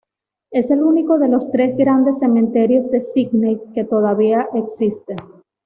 Es el único de los tres grandes cementerios de Sídney que todavía existe.